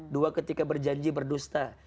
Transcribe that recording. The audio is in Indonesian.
dua ketika berjanji berdusta